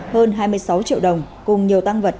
hơn hai mươi sáu triệu đồng cùng nhiều tăng vật